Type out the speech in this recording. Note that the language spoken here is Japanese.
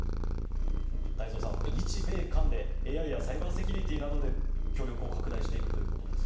太蔵さん、日米韓でＡＩやサイバーセキュリティーなどで協力を拡大していくということです。